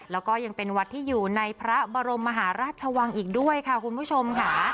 แล้วก็ยังเป็นวัดที่อยู่ในพระบรมมหาราชวังอีกด้วยค่ะคุณผู้ชมค่ะ